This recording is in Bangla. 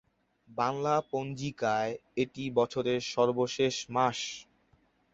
বাংলা পঞ্জিকায় এটি বছরের সর্বশেষ মাস।